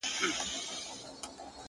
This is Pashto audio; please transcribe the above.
هر وختي ته نـــژدې كـيــږي دا.